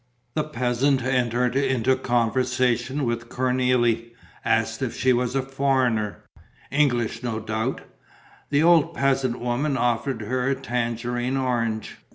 The peasant entered into conversation with Cornélie, asked if she was a foreigner: English, no doubt? The old peasant woman offered her a tangerine orange.